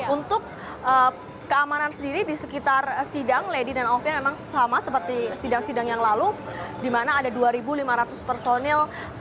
untuk keamanan sendiri di sekitar sidang lady dan alfian memang sama seperti sidang sidang yang lalu di mana ada dua lima ratus personil